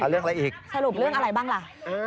เรื่องอะไรอีกสรุปเรื่องอะไรบ้างล่ะ